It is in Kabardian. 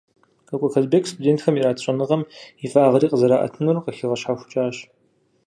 Кӏуэкӏуэ Казбек студентхэм ират щӏэныгъэм и фӏагъри къызэраӏэтынур къыхигъэщхьэхукӏащ.